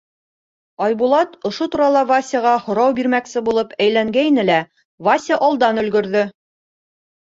Айбулат ошо турала Васяға һорау бирмәксе булып әйләнгәйне лә, Вася алдан өлгөрҙө.